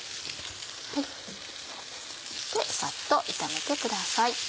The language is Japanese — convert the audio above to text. サッと炒めてください。